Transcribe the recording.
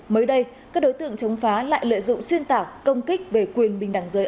mới đây các đối tượng chống phá lại lợi dụng xuyên tạc công kích về quyền bình đẳng giới